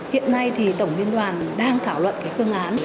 hiện nay thì tổng liên đoàn đang thảo luận cái phương án